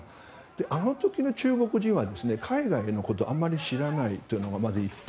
あの時の中国人は海外のことをあまり知らないというのがまず１点。